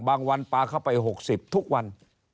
บางวันปลาเข้าไป๖๐ทุกวัน